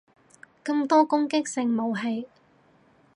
咁多攻擊性武器